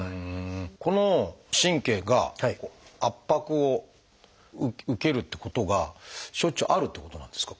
この神経が圧迫を受けるってことがしょっちゅうあるってことなんですか？